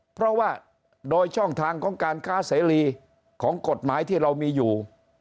เพราะว่าโดยช่องทางของการค้าเสรีของกฎหมายที่เรามีอยู่